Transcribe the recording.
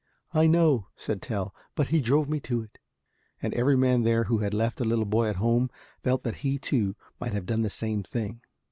"I know," said Tell, "but he drove me to it." And every man there who had left a little boy at home felt that he too might have done the same thing.